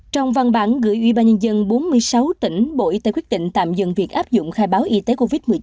trong văn bản gửi ubnd bốn mươi sáu tỉnh bộ y tế quyết định tạm dừng việc áp dụng khai báo y tế covid một mươi chín